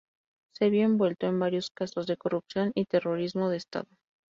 Se vio envuelto en varios casos de corrupción y terrorismo de Estado.